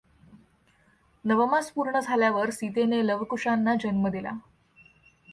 नवमास पूर्ण झाल्यावर सीतेने लव कुशाना जन्म दिला.